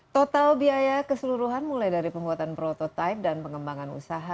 total biaya keseluruhan mulai dari pembuatan prototipe dan pengembangan usaha